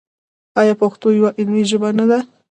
آیا پښتو یوه علمي ژبه نه ده؟